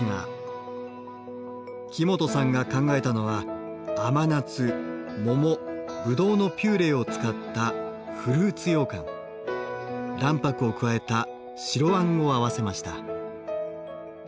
木本さんが考えたのは甘夏モモブドウのピューレを使った卵白を加えた白あんを合わせました。